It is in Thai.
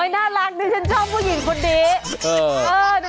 น่ารักดิฉันชอบผู้หญิงคนนี้